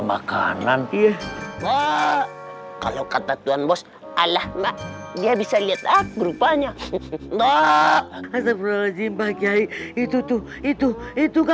makanan iya kalau kata tuhan bos allah dia bisa lihat grupanya itu itu itu